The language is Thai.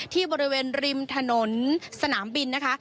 ที่บริเวณริมถนนสนามบินนะคะ